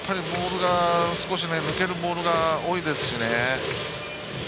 少し抜けるボールが多いですしね。